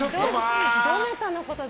どなたのことだ？